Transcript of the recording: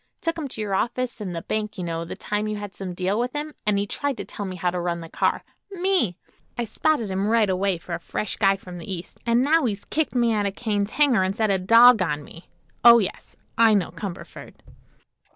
Took him to your office and the bank, you know, the time you had some deal with him; and he tried to tell me how to run the car. Me! I spotted him right away for a fresh guy from the East, an' now he's kicked me out of Kane's hangar an' set a dog on me. Oh, yes; I know Cumberford."